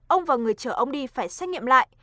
ông và người chở ông đi phải xét nghiệm lại